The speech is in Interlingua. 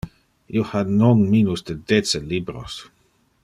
Io ha non minus de dece libros.